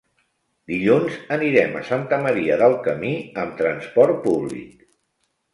Dilluns anirem a Santa Maria del Camí amb transport públic.